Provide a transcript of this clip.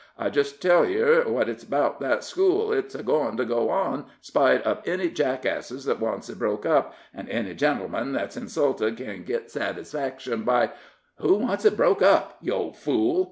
I just tell yer what it is about that school it's a goin' to go on, spite uv any jackasses that wants it broke up; an' any gentleman that's insulted ken git satisfaction by " "Who wants it broke up, you old fool?"